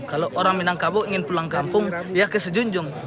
kalau orang minangkabau ingin pulang kampung ya ke sejujung